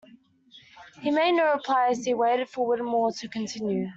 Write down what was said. He made no reply as he waited for Whittemore to continue.